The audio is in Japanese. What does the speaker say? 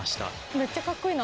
めっちゃかっこいいな。